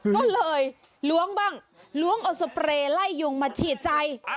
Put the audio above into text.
ก็เลยล้วงบ้างล้วงเอาสเปรย์ไล่ยุงมาฉีดใส่